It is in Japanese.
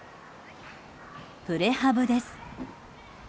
プレハブです。